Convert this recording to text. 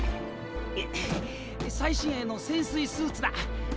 最新鋭の潜水スーツだ。